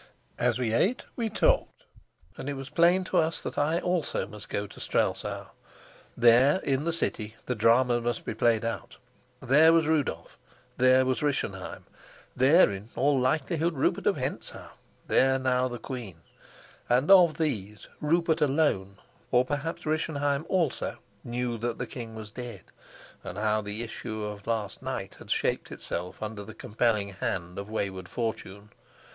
As we ate, we talked; and it was plain to us that I also must go to Strelsau. There, in the city, the drama must be played out. There was Rudolf, there Rischenheim, there in all likelihood Rupert of Hentzau, there now the queen. And of these Rupert alone, or perhaps Rischenheim also, knew that the king was dead, and how the issue of last night had shaped itself under the compelling hand of wayward fortune.